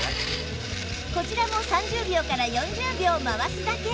こちらも３０秒から４０秒回すだけ